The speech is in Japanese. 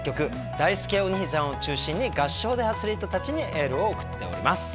だいすけお兄さんを中心に合唱でアスリートたちにエールを送っております。